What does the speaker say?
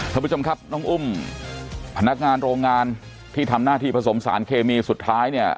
ท่านผู้ชมครับน้องอุ้มพนักงานโรงงานที่ทำหน้าที่ผสมสารเคมีสุดท้ายเนี่ย